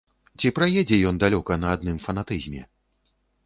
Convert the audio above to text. Ці праедзе ён далёка на адным фанатызме?